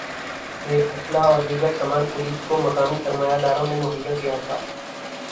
ہ اسلحہ اور دیگر سامان پولیس کو مقامی سرمایہ داروں نے مہیا کیا تھا